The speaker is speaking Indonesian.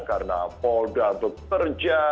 karena pola berkerja